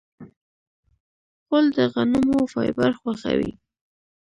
غول د غنمو فایبر خوښوي.